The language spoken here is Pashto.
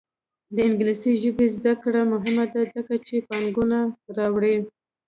د انګلیسي ژبې زده کړه مهمه ده ځکه چې پانګونه راوړي.